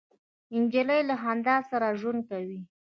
نجلۍ له خندا سره ژوند کوي.